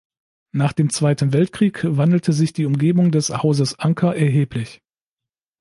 Nach dem Zweiten Weltkrieg wandelte sich die Umgebung des „Hauses Anker“ erheblich.